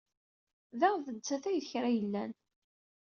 Da, d nettat ay d krayellan.